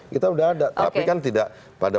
kita sudah ada tapi kan tidak pada